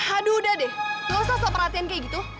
aduh udah deh nggak usah selalu perhatian kayak gitu